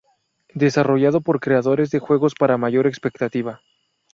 Desarrollado por creadores de juegos para mayor expectativa.